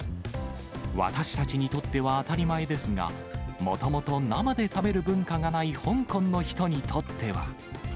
私たちにとっては当たり前ですが、もともと生で食べる文化がない香港の人にとっては。